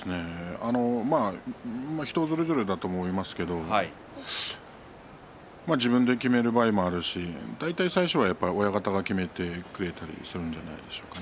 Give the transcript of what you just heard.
人それぞれだと思いますけれど自分で決める場合もあるし大体、最初は親方が決めてくれたりするんじゃないでしょうかね。